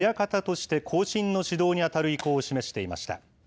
白鵬は、引退後は、親方として後進の指導に当たる意向を示していました。